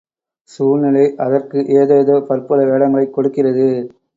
சூழ்நிலை அதற்கு ஏதேதோ பற்பல வேடங்களைக் கொடுக்கிறது.